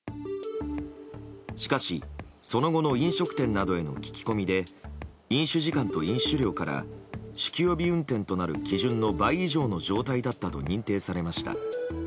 しかし、その後の飲食店などへの聞き込みで飲酒時間と飲酒量から酒気帯び運転となる基準の倍以上の状態だったと認定されました。